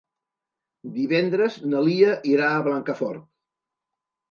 Divendres na Lia irà a Blancafort.